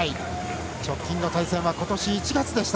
直近の対戦は今年の１月でした。